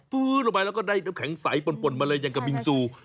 ลงไปแล้วก็ได้น้ำแข็งใสปนมาเลยอย่างกับบิงซู